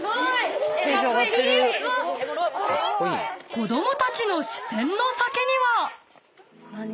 ［子供たちの視線の先には］